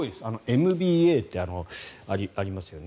ＭＢＡってありますよね。